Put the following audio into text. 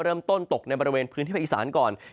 ตกในบริเวณพื้นที่ภาคอีสานก่อน